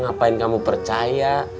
ngapain kamu percaya